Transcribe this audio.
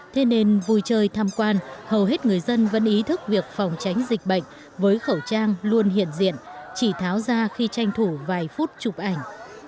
thế nên vui chơi tham quan hầu hết người dân vẫn ý thức việc phòng tránh dịch bệnh với khẩu trang luôn hiện diện chỉ tháo ra khi tranh thủ vài phút chụp ảnh